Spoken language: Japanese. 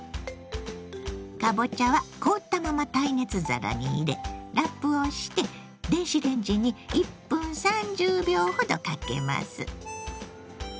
かぼちゃは凍ったまま耐熱皿に入れラップをして電子レンジに１分３０秒ほどかけます。